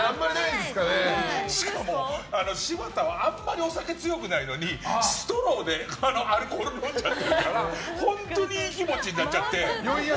しかも、柴田はあまりお酒強くないのにストローでアルコール飲んじゃってるから本当にいい気持ちになっちゃって。